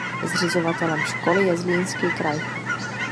Zřizovatelem školy je Zlínský kraj.